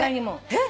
えっ！？